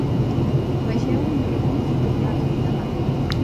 Vegeu un recull fotogràfic de l’acte.